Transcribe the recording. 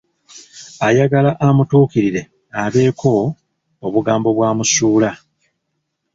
Ayagala amutuukirire abeeko obugambo bwamusuula.